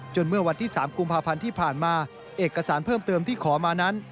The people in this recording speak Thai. เมื่อวันที่๓กุมภาพันธ์ที่ผ่านมาเอกสารเพิ่มเติมที่ขอมานั้น